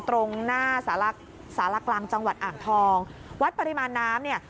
ตรงหน้าสารกลางจังหวัดอ่างทองวัดปริมาณน้ำเนี่ย